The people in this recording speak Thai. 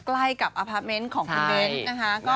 ใกล้กับอภาพเม้นท์ของคุณเบ้นนะคะ